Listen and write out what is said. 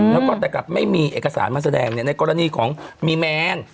แล้วก็แต่กลับไม่มีเอกสารมาแสดงในกรณีของมีแมน